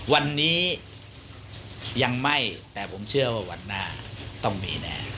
วันนี้ยังไม่แต่ผมเชื่อว่าวันหน้าต้องมีแน่